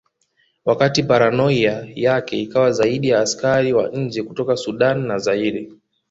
Wakati paranoia yake ikawa zaidi ya askari wa nje kutoka Sudan na Zaire